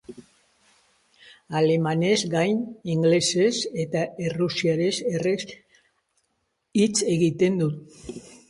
Alemanez gain, ingelesez eta errusieraz erraz hitz egiten du.